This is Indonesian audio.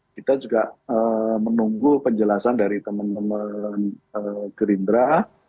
kita juga menunggu penjelasan dari teman teman gerindra